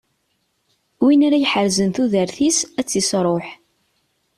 Win ara iḥerzen tudert-is, ad tt-isṛuḥ.